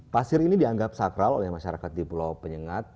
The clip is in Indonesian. pasir ini dianggap sakral oleh masyarakat di pulau penyengat